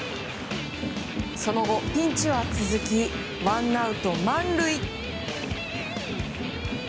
その後、ピンチは続きワンアウト満塁。